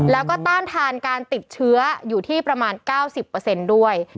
แล้วก็ต้านทานการติดเชื้ออยู่ที่ประมาณ๙๐ด้วย